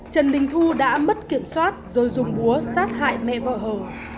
trần đình thu đã mất kiểm soát rồi dùng búa sát hại mẹ vợ hờ